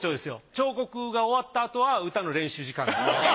彫刻が終わった後は歌の練習時間なんで。